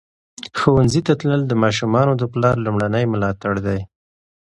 ښوونځي ته تلل د ماشومانو د پلار لومړنی ملاتړ دی.